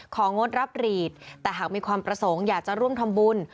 งดรับหรีดแต่หากมีความประสงค์อยากจะร่วมทำบุญ